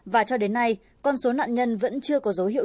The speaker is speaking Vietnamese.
và cho đến nay con số nạn nhân vẫn chưa có dấu hiệu